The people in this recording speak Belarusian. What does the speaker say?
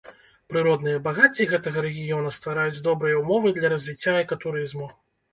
Прыродныя багацці гэтага рэгіёна ствараюць добрыя ўмовы для развіцця экатурызму.